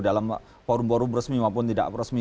dalam forum forum resmi maupun tidak resmi